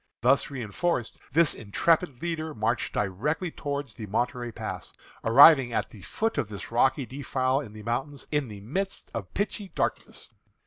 Thus reënforced, this intrepid leader marched directly toward the Monterey Pass, arriving at the foot of this rocky defile in the mountains in the midst of pitchy darkness.